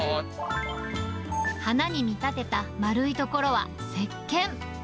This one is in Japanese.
花に見立てた丸い所は、せっけん。